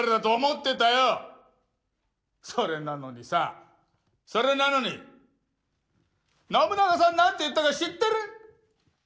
それなのにさそれなのに信長さん何て言ったか知ってる？